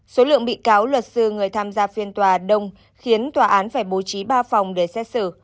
số lượng bị cáo luật sư người tham gia phiên tòa đông khiến tòa án phải bố trí ba phòng để xét xử